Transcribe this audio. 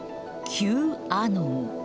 Ｑアノン。